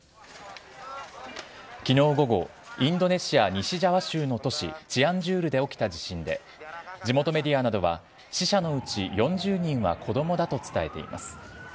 きのう午後、インドネシア西ジャワ州の都市チアンジュールで起きた地震で、地元メディアなどは、死者のうち４０人は子どもだと伝えています。